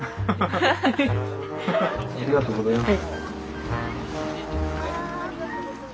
ありがとうございます。